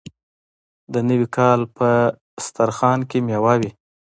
د نوي کال په دسترخان کې میوه وي.